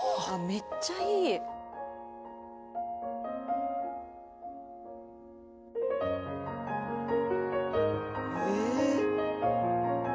めっちゃいい」「ええー！」